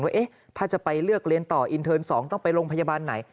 ว่าถ้าจะไปเลือกเรียนต่ออินเทิร์น๒ต้องไปโรงพยาบาลไหน